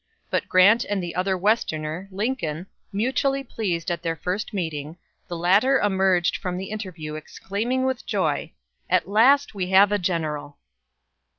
But Grant and the other Westerner, Lincoln, mutually pleased at their first meeting, the latter emerged from the interview exclaiming with joy: "At last, we have a general!"